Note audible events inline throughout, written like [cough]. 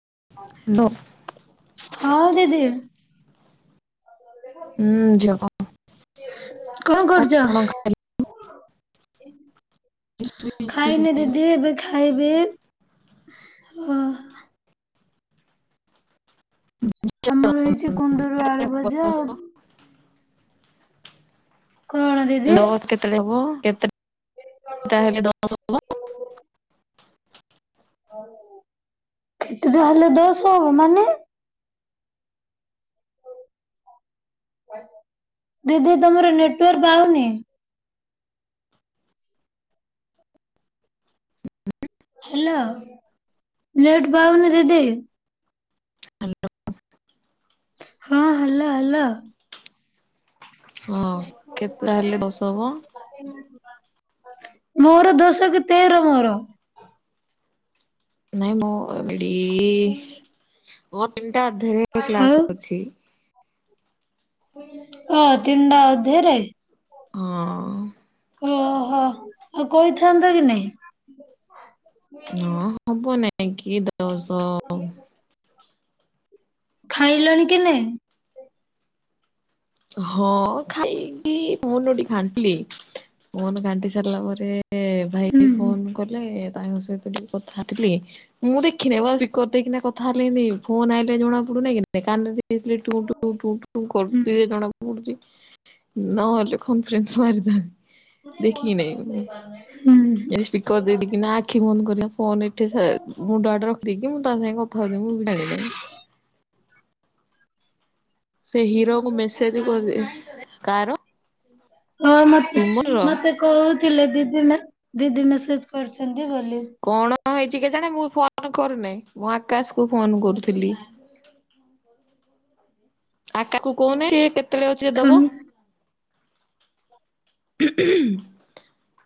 [unintelligible] ହଁ ଦିଦି। ହୁଁ ଝିଅ‌ କ କଣ କରୁଚ? ଖାଇନି ଦିଦି ଏବେ ଖାଇବି। ଓ। [inaudible] ଆମର ହେଇଚି କୁନ୍ଦୁରୁ ଆଳୁ ଭଜା ଆଉ କଣ ଦିଦି [unintelligible] କେତେବେଳେ ହବ। [unintelligible] କେତେଟା ହେଲେ ଦଶ ହବ ମାନେ? ଦିଦି ତମର ନେଟୱାର୍କ ପାଉନି। ହ୍ୟାଲୋ ନେଟ ପାଉନି ଦିଦି। ହଁ ହାଲୋ ହାଲୋ। ହଁ କେତେ ତାହେଲେ ଦଶ ହବ? ମୋର ଦଶ କି ତେର ମୋର। ନାଇଁ। [unintelligible] ଆଉ [unintelligible] ଓ ତିନଟା ଅଧେରେ। ହଁ। ଓହୋ ଆଉ କହିଥାନ୍ତ କି ନାଇଁ। ହଁ ହବ ନାଇଁ କି ଦଶ ଖାଇଲଣିି କି ନାଇଁ? ହଁ ଖାଇକି [unintelligible] ଘାଣ୍ଟିଲି [unintelligible] ଘାଣ୍ଟି ସାରିଲା ପରେ ସେ ହୁଁ ଭାଇ ଫୋନ କଲେ ଭାଇଙ୍କ ସହିତ ଟିକେ କଥା ହେଲି। ମୁଁ ଦେଖିନି ବା ସ୍ପିକର ଦେଇକି କଥା ହେଲିନି ଫୋନ ଆଇ ଏତେ ଜଣା ପଡୁନି ସେ କାନ୍ଦୁଚି ଟୁଁ ଟୁଁ ହୁଁ କରୁଚି ଜଣା ପଡୁଛି ନ ହେଲେ କନଫରେନ୍ସ ମାରିଦେ। [unintelligible] ସ୍ପିକର ଦେଇ ଦେଇକିନା ଆଖି ବନ୍ଦ କରିବା ଫୋନ ଏଠି ମୁଣ୍ଡ ଆଡେ ରଖଦେଇି ମୁଁ ତା ସାଙ୍ଗେ କଥା ମୁଁ ବି ଜାଣିନେଇ। ସେ ହିରୋ କୁ ମେସେଜ କ କାହାର? ହଁ ମତେ ମତେ କହୁଥିଲେ ଦିଦି ଦିଦି ମେସେଜ କରିଛନ୍ତି। ବୋଲି। କଣ ହେଇଚି କେଜାଣି ମୁଁ ଫୋନ କରୁନେଇ ମୁଁ ଆକାଶ କୁ ଫୋନ କରୁଥିଲି। ଆ କାକୁ କହୁନ ଏ କେତେବେଳେ ଅଛି ଯେ ଥ ଦବ।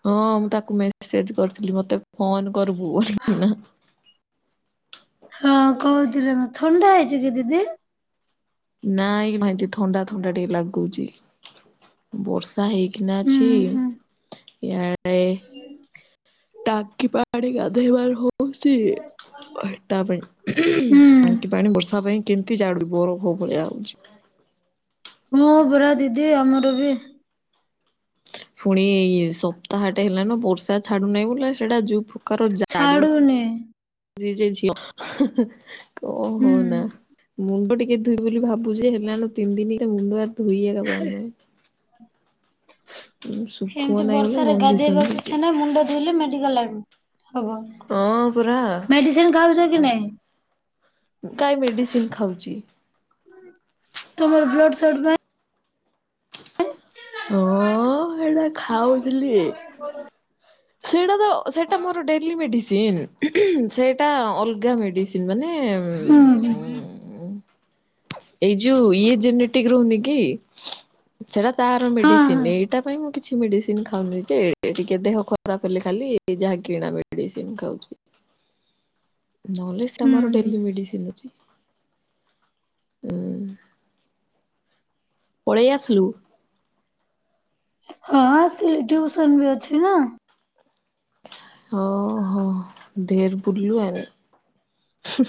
ହଁ ମୁଁ ତାକୁ ମେସେଜ କରିଥିଲି। ମତେ ଫୋନ କରିବୁ। [unintelligible] ହଁ କହୁଥିଲେ ଥଣ୍ଡା ହେଇଛି କି ଦିଦି? ନାଇଁ [unintelligible] ଥଣ୍ଡା ଥଣ୍ଡା ଟିକେ ଲାଗୁଚି। ବର୍ ସା ହେଇକିନା ହୁଁ ଅଛି। ହୁଁ ୟାଡେ ଟାଙ୍କି ପାଣି ଗାଧେଇ ବାରୁ ହୋ ହଉଚି। ହେଟା ପାଇଁ ଟାଙ୍କି ହୁଁ ପାଣି ବର୍ଷା ପାଇଁ କେମିତି ଜାଡୁ ବରଫୋ ଭଳିଆ ହଉଛି। ହଁ ପରା ଦିଦି ଆମର ବି। ପୁଣି ଏଇ ସପ୍ତାହଟା ହେଲାନ ବର୍ଷା ଛାଡୁନାହିଁ ବୋଲି ସେଟା ଯୋ ଛାଡ଼ୁନି। ଜି ଯଉ ଝିଅ ହଁ ହଁ ହୁଁ। କହନା ମୁଣ୍ଡଟି ଟିକେ ଧୁଇବି ବୋଲି ଭାବୁଛି ଯେ ହେଲାଣି ଲୋ ତିନି ଦିନି ଏ ତା ମୁଣ୍ଡଟା ଧୋଇବି ଏକା ପାଉନି ପା ଏଇ। ଏମିତି ନାହିଁ ବୋଲି ବର୍ଷାରେ ଗନ୍ଧିସନ୍ଧି ଗାଧେଇବାକୁ ହେଇଯିବ। ଇଚ୍ଛା ନାଇଁ ମୁଣ୍ଡ ଧୋଇଲେ ମେଡ଼ିକାଲ ଲାଗୁ ହଁ ପରା ମେଡିସିନ ଖାଉଛ କି ଉଁ। ନାଇଁ କାଇଁ ମେଡିସିନ ଖାଉଛି? ତୁମର ବ୍ଲଡ଼ ଶର୍ଟ କାଇଁ ହଁ ହେଇଟା ଖାଉଥିଲି [inaudible] ସେଇଟା ତ ଅ ସେଟା ମୋର ଡେଲି ମେଡ଼ିସିନ ସେଟା ଅ-ଅଲଗା ମେଡ଼ିସିନ ମାନେ ହୁଁ ଉଁ ହୁଁ। ଏଇ ଯୋଉ ଇଏ ଜେନେଟିକ ରହୁନି କି। ସେଟା ତାର ହଁ ହଁ ମେଡ଼ିସିନ ଏଇଟା ପାଇଁ ମୁଁ କିଛି ମେଡ଼ିସିନ ଖାଉନି ଯେ ଏ ଟିକେ ଦେହ ଖ ର କଲେ ଖାଲି ଯାହା କିଣା ମେଡ଼ିସିନ ଖାଉଛି। ନହେଲେ ସେଟା ହୁଁ ମୋର ହୁଁ। ଡେଲି ମେଡ଼ିସିନ ଅଛି। ହୁଁ। ପଳେଇ ଆସିଲୁ। ହଁ ଆସିଲି ଟିଉସନ ବି ଅଛି ନା। ଓ ହୋ ଢ଼େର ବୁଲିଲୁ ଆଉ ହୁଁ।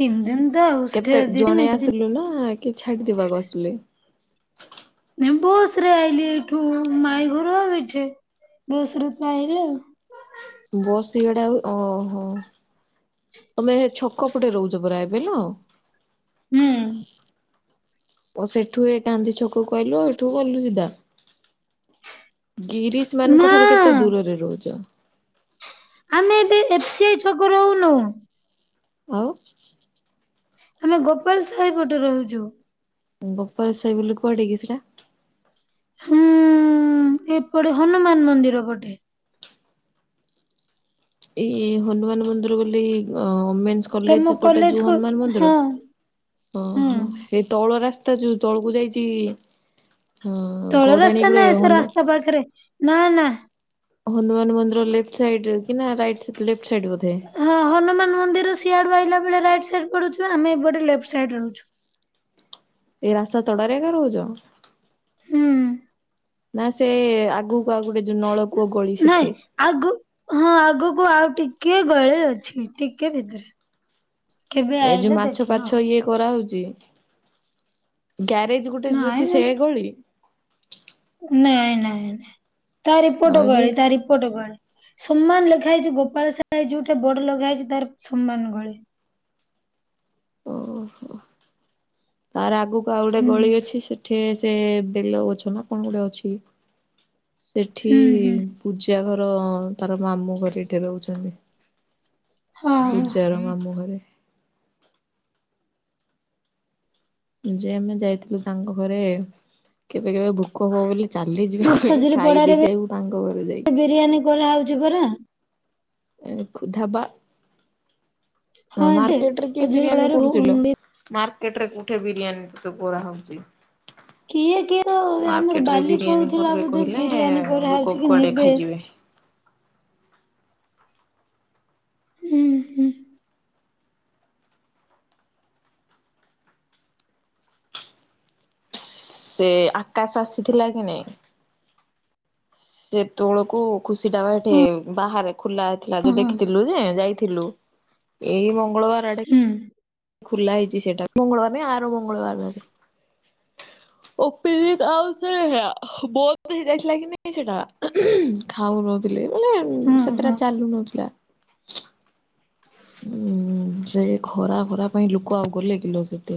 ତିନ ଦିନ ତ ଆଉ ସେଠି କେତେ ଦି ଜଣେ ଦିନ ଆସିଲୁ ନା କି ଛାଡ଼ିଦବାକୁ ଆସିଲେ? ବସ ରେ ଆଇଲି ଏଇଠୁ ଉଁ ମାଇ ଘରୁ ଆଉ ଏଠେ। ବସ ରେ ତ ଆଇଲି ଆଉ। ବସ୍ ଇଆଡେ ଆଉ ଅ ହୋ ତମେ ହେ ଛକ ପଟେ ରହୁଛ ପରା ଏ ବିଲୁ ଆଉ। ହୁଁ। ପ ସେଠୁ ଏଇ ଗାନ୍ଧୀ ଛକକୁ ଆଇଲୁ ଏଠୁ ଗଲୁ ସିଧା। ଗିରିଶ ନା ମାନଙ୍କ ଠାରୁ କେତେ ଦୂରରେ ରହୁଛ? ଆମେ ଏବେ ଏଫ ସି ଆଇ ଛକରେ ରହୁନୁ। ଆଉ। ଆମେ ଗୋପାଳ ସାହି ପଟେ ରହୁଛୁ। ଗୋପାଳ ସାହି ବୋଲି କୁଆଡ଼େ କି ସେଟା? ହୁଁ ଏପଟେ ହନୁମାନ ମନ୍ଦିର ପଟେ। ଏଇ ହନୁମାନ ମନ୍ଦିର ବୋଲି ଅ ଓମେନ୍ସ ତମ କଲେଜ ଏପଟେ ଯୋଉ କୁ ହନୁମାନ ମନ୍ଦିର ହଁ ହୁଁ। ଓହୋ ହେଇ ତଳ ରା ତା ଯଉ ତଳକୁ ଯାଇଛି। ହଁ ତଳ ଗଡାଣି ରାସ୍ତା ଗୁଡେ ନାଇ ସେ ହନୁ ରାସ୍ତା ପାଖରେ ନା ନା। ହନୁମାନ ମନ୍ଦିର ଲେଫ୍ଟ ସାଇଡ଼ କି ନା ରାଇଟ ସେ ପ ଲେ୍ ହଁ ହନୁମାନ ମନ୍ଦିର ସିଆଡ଼ୁ ଆଇଲା ବେଳେ ରାଇଟ ସାଇଟ ପଡୁଛି ଆମେ ଏପଟେ ଲେଫ୍ଟ ସାଇଡ଼ରେ ରହୁଛୁ। ଏଇ ରାସ୍ତା ତଡ଼ାରେ ଏକା ରହୁଛ? ହୁଁ। ନା ସେ ଆଗ ନାଇଁ ଆଗୁ ହଁ ଆଗକୁ ଆଉ ଟି କିଏ ଗଳି ଅଛି ଟିକେ ଭିତରେ। କେବେ ଏ ଯୋଉ ଆଇଲେ ମାଛ ଦେଖିବ ପାଛ ଇଏ କରାହଉ ଚି ଗ୍ୟାରେଜ ଗୋଟେ ଯୋଉ ନାଇଁ ଅଛି ମୁଁ ସେ ଗଳି? ନାଇଁ ନାଇଁଁ ନାଇଁ ତାର ଏପଟ ଆହୁରି ଗଳି ତାର ଏପଟ ଗଳି। ସମାନ ଲେଖା ହେଇଛି ଗୋପାଳ ସାହି ଯୋଉଟା ବୋଡ ଲଗା ହେଇଛି ତାର ସମାନ ଗଳି। ଓହୋ ତାର ଆଗକୁ ଆଉ ଗୋଟେ ହୁଁ ଗଳି ଅଛି ସେଠି ସେ ସେ ବେଲ ଅଛ ନା କଣ ଗୋଟେ ଅଛି। ସେଠି ହୁଁ ହୁଁ ପୂଜା ଘର ତାର ମାମୁଁ ଘରେ ଏଇଠି ରହୁଛନ୍ତି। ହଁ ପୂଜାର ମାମୁଁ ଘରେ। ଯେ ଆମେ ଯାଇଥିଲୁ ତାଙ୍କ ଘରେ କେ କେବେ କେବେ ଭୋକ ହବ ବୋଲି ହଁ ଚାଲିଯିବା ପାଇଁ ଖଜୁରୀ ପଡାରେ ବି ଖାଇଦିକି ଆକୁ ତାଙ୍କ ଘରେ ଯାଇକି। ବିରିୟାନୀ କରାହଉଛି ପରା ଏ ଡ଼ାବା। ହଁ ଯେ ମାର୍କେଟରେ କେ ବିରିୟାନୀ ଖଜୁରୀପଡାରେ କୁରୁଚିଲୋ ମା। ଗୋଟେରେ ଗୋଟେ ବିରିୟାନୀ କରାହଉଛି। କିଏ କିଏ ତ ଆମର ମାର୍କେଟରେ ବାଲି ବିରିୟାନୀ କହୁଥିଲା କରିବେ ବୋଧେ କହିଲେ ବିରିୟାନୀ କରାହଉଛି ଲୋକ କି କୁଆଡ଼େ ନେବେ। ଖାଇଯିବେ। ହୁଁ ହୁଁ। ସେ ଆକାଶ ଆସିଥିଲା କି ନାଇଁ ସେତେବେଳକୁ। ଖୁସି ଟା ଏଠେ ହଁ ବାହାରେ ଖୋଲା। ଥିଲା ଯେ ହଁ। ଦେଖିଥିଲୁ ଯେ ଯାଇଥିଲୁ ଏଇ ମଙ୍ଗଳବାର। ଆଡେ ହୁଁ। ଖୋଲା ହେଇଛି ସେଟା ମଙ୍ଗଳବାର ନା ଆର ମଙ୍ଗଳବାର। [unintelligible] ବନ୍ଦ ହେଇଯାଇଥିଲା କି ନାଇଁ ଖାଉନୁ। ମାନେ ହୁଁ ହୁଁ ସେତଟା ଚାଲୁ ନଥିଲା। ହୁଁ ସେ ଖରା ଫରା ପାଇଁ ଲୋକ ଆଉ ଗଲେ କିଲ ସେଟି।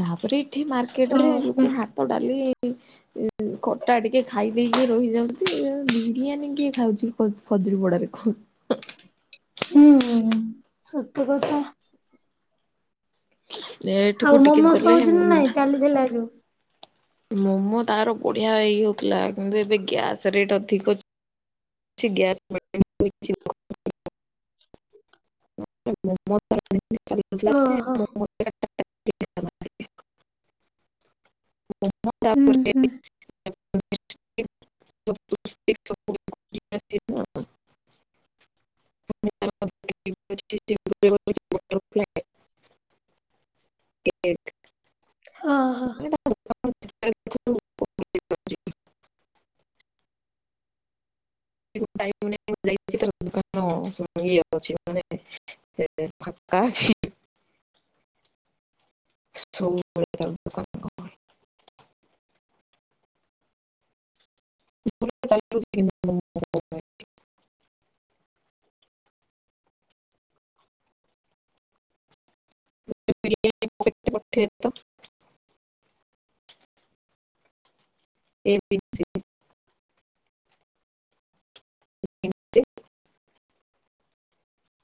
ତାପରେ ଏଠି ମାର୍କେଟ ରେ ଓହୋ ଲୋକ ଭାତ, ଡାଲି। ଖଟା ଟିକେ ଖାଇ ଦେଇ କି ରହିଯାଉନ୍ତି ବିରିୟାନୀ କିଏ ଖାଉଛି ଫଦ୍ରପଡ଼ାରେ କୁ। [inaudible] ହୁଁ ସତ କଥା। ଆଉ ଏଠିକୁ ଟିକେ ମୋମୋସ୍ ଗଲେ ହଉଛି ମୁଁ। ନା ନାଇଁ ଚାଲିଥିଲା ଯୋଉ ମୋମୋ ତାର ବଢି଼ଆ ହେଇ ହଉଥିଲା କିନ୍ତୁ ଏବେ ଗ୍ୟାସ୍ ରେଟ୍ ଅଧିକ। ଗ୍ୟାସ୍। [unintelligible] ଓହୋ [unintelligible] ହୁଁ ହୁଁ [unintelligible] [unintelligible] [unintelligible] ଏକ୍। ହଁ ହଁ। [unintelligible] [unintelligible] କାଶୀ। [unintelligible] [unintelligible] [inaudible] [unintelligible] ଏ-ପି-ସି। [unintelligible]